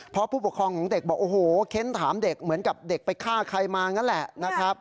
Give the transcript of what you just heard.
เพราะผู้ปกครองของเด็กบอกโอ้โหเค้นถามเด็กเหมือนกับเด็กไปฆ่าใครมานั่นแหละนะครับ